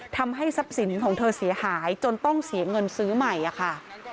ทำให้ทรัพย์สินของเธอเสียหายจนต้องเสียเงินซื้อใหม่ค่ะ